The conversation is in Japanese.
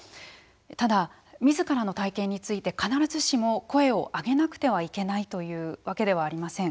ただ、みずからの体験について必ずしも、声をあげなくてはいけないというわけではありません。